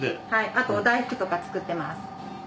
あと大福とか作ってます。